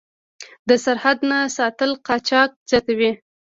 د سرحد نه ساتل قاچاق زیاتوي.